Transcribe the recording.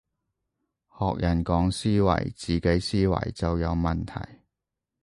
學人講思維，自己思維就有問題